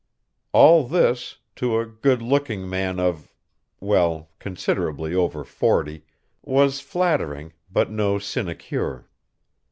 All this, to a good looking man of well, considerably over forty, was flattering, but no sinecure.